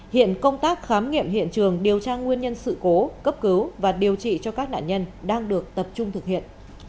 hiện công tác khám nghiệm hiện trường điều tra nguyên nhân sự cố cấp cứu và điều trị cho các nạn nhân đang được tập trung thực hiện